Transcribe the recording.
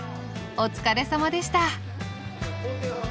お疲れさまでした。